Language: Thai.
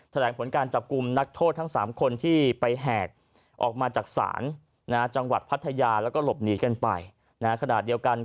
แหลงผลการจับกลุ่มนักโทษทั้ง๓คนที่ไปแหกออกมาจากศาลจังหวัดพัทยาแล้วก็หลบหนีกันไป